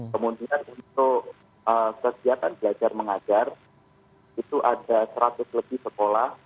kemudian untuk kegiatan belajar mengajar itu ada seratus lebih sekolah